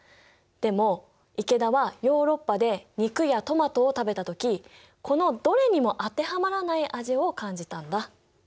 でも池田はヨーロッパで肉やトマトを食べた時このどれにも当てはまらない味を感じたんだ。